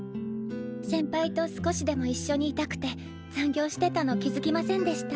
先輩と少しでもいっしょにいたくて残業してたの気付きませんでした？